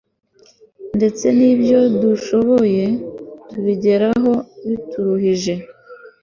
ndetse n'ibyo dushoboye tubigeraho bituruhije